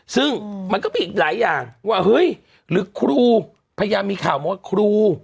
ซึ่งมันก็มีอีกหลายอย่างว่าเฮ้ยหรือครูพยายามมีข่าวมาว่าครู